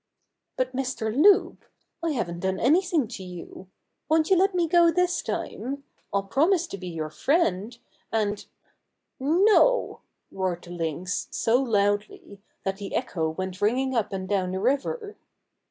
"But, Mr. Loup, I haven't done anything to you. Won't you let me go this time? I'll promise to be your friend, and —" "No!" roared the Lynx so loudly that the echo went ringing up and down the river.